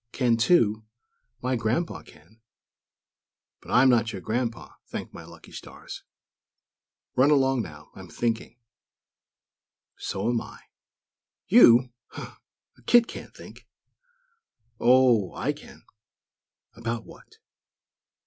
"Can, too. My Grandpa can." "But I'm not your Grandpa, thank my lucky stars. Run along now; I'm thinking." "So am I." "You? Huh! A kid can't think." "Ooo o! I can!" "About what?"